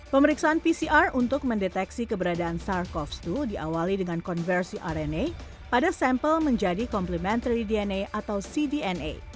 pemeriksaan pcr untuk mendeteksi keberadaan sars cov dua diawali dengan konversi arena pada sampel menjadi complementary dna atau cdna